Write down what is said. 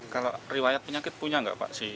kalau riwayat penyakit punya nggak pak